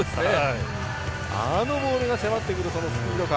あのボールが迫ってくるこのスピード感。